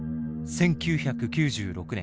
１９９６年